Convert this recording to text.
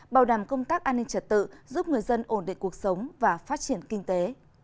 bảo đảm công tác an ninh trật tự giúp người dân ổn định cuộc sống và phát triển kinh tế